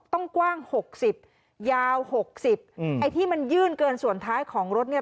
กว้างหกสิบยาวหกสิบอืมไอ้ที่มันยื่นเกินส่วนท้ายของรถเนี่ย